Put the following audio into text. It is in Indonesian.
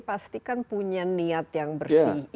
pasti kan punya niat yang bersih